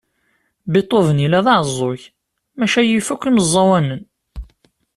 Beethoven yella d aɛeẓẓug maca yif akk imeẓẓawanen.